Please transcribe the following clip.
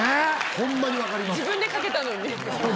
ホンマにわかります。